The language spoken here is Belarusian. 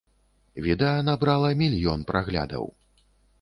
Відэа набрала мільён праглядаў.